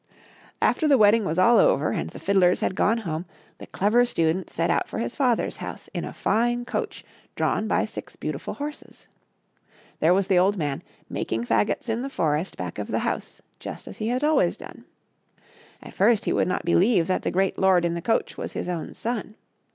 After the wedding was all over, and the fiddlers had gone home, the Clever Student set out for his father's house in a fine coach drawn by six beautiful horses. There was the old man, making fagots in the forest back of the house, just as he had always done. At first he would not believe that the great lord in the coach was his own son.